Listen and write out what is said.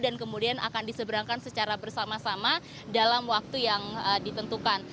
dan kemudian akan diseberangkan secara bersama sama dalam waktu yang ditentukan